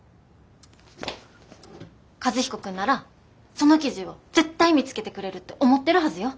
和彦君ならその記事を絶対見つけてくれるって思ってるはずよ。